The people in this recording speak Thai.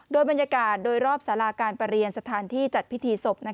โดยบรรยากาศโดยรอบสาราการประเรียนสถานที่จัดพิธีศพ